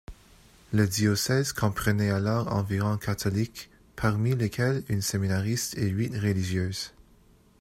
Le diocèse comprenait alors environ catholiques, parmi lesquels un séminariste et huit religieuses.